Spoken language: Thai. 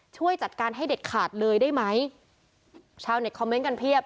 ช่วยจัดการให้เด็ดขาดเลยได้ไหมชาวเน็ตคอมเมนต์กันเพียบ